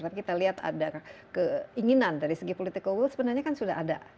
tapi kita lihat ada keinginan dari segi political will sebenarnya kan sudah ada